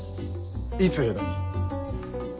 いつ江戸に？